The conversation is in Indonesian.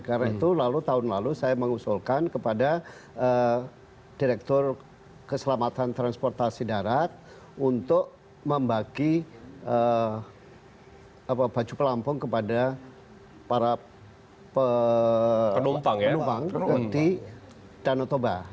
karena itu lalu tahun lalu saya mengusulkan kepada direktur keselamatan transportasi darat untuk membagi baju pelampung kepada para penumpang di danau toba